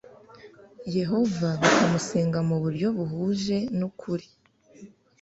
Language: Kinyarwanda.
Yehova bakamusenga mu buryo buhuje n'ukuri